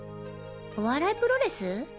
お笑いプロレス？